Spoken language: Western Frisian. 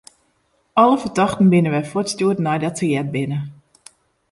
Alle fertochten binne wer fuortstjoerd neidat se heard binne.